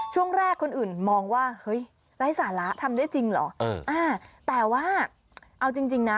ช่วงแรกคนอื่นมองว่าเฮ้ยไร้สาระทำได้จริงเหรอเอออ่าแต่ว่าเอาจริงจริงนะ